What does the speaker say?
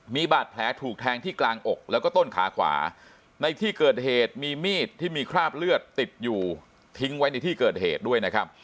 มีบาดแผลถูกแทงที่กลางอกแล้วก็ต้นขาขวาในที่เกิดเหตุมีมีดที่มีคราบเลือดติดอยู่ทิ้งไว้ในที่เกิดเหตุด้วยนะครับ